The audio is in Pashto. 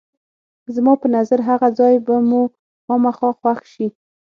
زما په نظر هغه ځای به مو خامخا خوښ شي.